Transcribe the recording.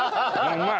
うまい！